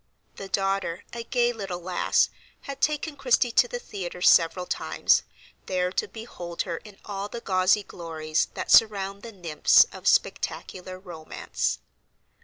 The daughter, a gay little lass, had taken Christie to the theatre several times, there to behold her in all the gauzy glories that surround the nymphs of spectacular romance.